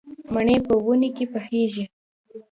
مڼې په ونې کې پخېږي